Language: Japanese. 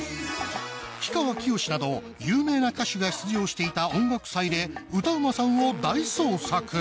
氷川きよしなど有名な歌手が出場していた音楽祭で歌うまさんを大捜索。